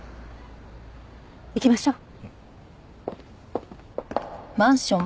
行きましょう。